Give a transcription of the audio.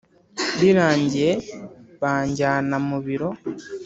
Birangiye banjyana mu biro,